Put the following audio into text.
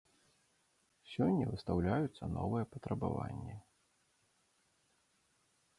Сёння выстаўляюцца новыя патрабаванні.